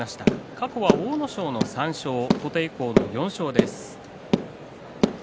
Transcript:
過去は阿武咲の３勝琴恵光の４勝です。